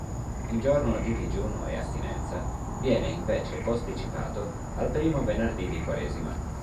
Il giorno di digiuno e astinenza viene invece posticipato al primo venerdì di quaresima.